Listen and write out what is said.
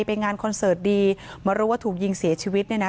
ไปงานคอนเสิร์ตดีมารู้ว่าถูกยิงเสียชีวิตเนี่ยนะ